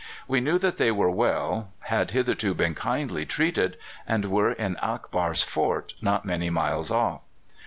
"We knew that they were well, had hitherto been kindly treated, and were in Akbar's fort, not many miles off.